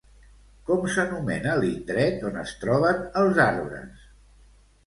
Com s'anomena l'indret on es troben els arbres?